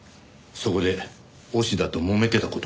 そこで押田ともめてた事もな。